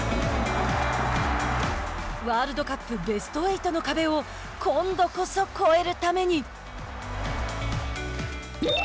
ワールドカップベスト８の壁を今度こそ越えるために。